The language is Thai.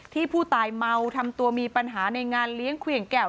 ที่ผู้ตายเมาทำตัวมีปัญหาในงานเลี้ยงเครื่องแก้ว